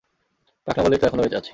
পাকনা বলেই তো এখনও বেঁচে আছি।